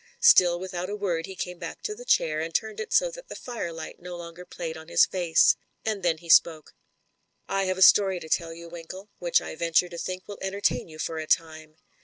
Still without a word he came back to the chair, and turned it so that the firelight no longer played on his face. And then he spoke. "I have a story to tell you. Winkle, which I venture to think will entertain you for a time."